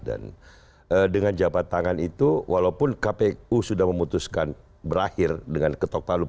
dengan jabat tangan itu walaupun kpu sudah memutuskan berakhir dengan ketok palu